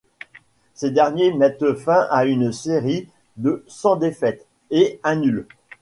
Ces derniers mettent fin à une série de sans défaite, et un nul.